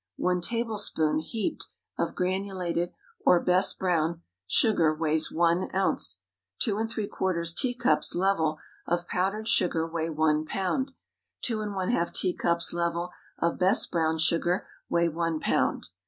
One tablespoon (heaped) of granulated, or best brown, sugar weighs one ounce. Two and three quarters teacups (level) of powdered sugar weigh one pound. Two and one half teacups (level) of best brown sugar weigh one pound.